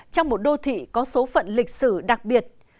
trong một đô thị có số phận lịch sử đặc biệt